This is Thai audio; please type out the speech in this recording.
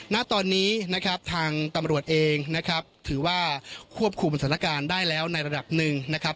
ณตอนนี้นะครับทางตำรวจเองนะครับถือว่าควบคุมสถานการณ์ได้แล้วในระดับหนึ่งนะครับ